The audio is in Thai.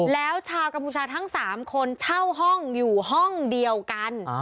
แล้วชาวกัมพูชาทั้ง๓คนเช่าห้องอยู่ห้องเดียวกัน